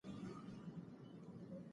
د الله په پرېکړو سر ټیټ کړئ.